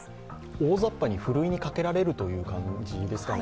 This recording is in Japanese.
大ざっぱに、ふるいにかけられるという感じですかね。